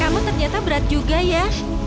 namun ternyata berat juga ya